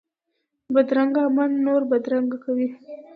بدرنګه عمل نور بدرنګه کوي